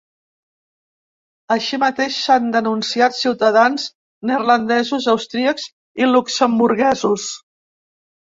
Així mateix, s’han denunciat ciutadans neerlandesos, austríacs i luxemburguesos.